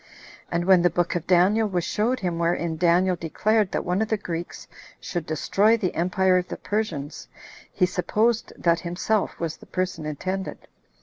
And when the Book of Daniel was showed him 23 wherein Daniel declared that one of the Greeks should destroy the empire of the Persians, he supposed that himself was the person intended.